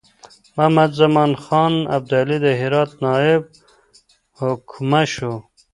محمدزمان خان ابدالي د هرات نایب الحکومه شو.